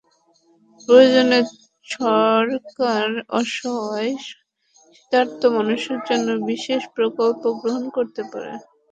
প্রয়োজনে সরকার অসহায় শীতার্ত মানুষের জন্য বিশেষ প্রকল্প গ্রহণ করতে পারে।